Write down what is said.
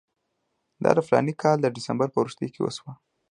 دا د فلاني کال د ډسمبر په وروستیو کې وشو.